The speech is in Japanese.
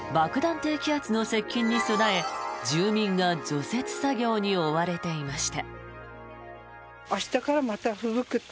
低気圧の接近に備え、住民が除雪作業に追われていました。